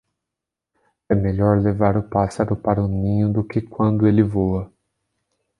É melhor levar o pássaro para o ninho do que quando ele voa.